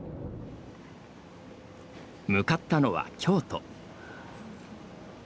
向かったのは京都。